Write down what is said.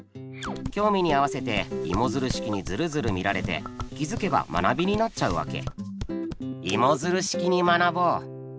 興味に合わせてイモヅル式にヅルヅル見られて気づけば学びになっちゃうわけ。